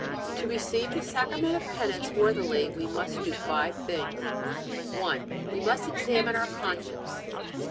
To receive the Sacrament of Penance worthily we must do five things: 1. We must examine our conscience.